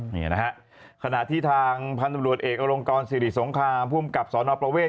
นี่นะฮะขณะที่ทางพันธบรวจเอกอลงกรสิริสงครามภูมิกับสนประเวท